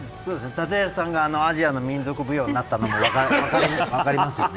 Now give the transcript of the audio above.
立岩さんがアジアの民族舞踊になったのが分かりますよね。